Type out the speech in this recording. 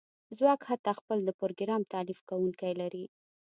ځواک حتی خپل د پروګرام تالیف کونکی لري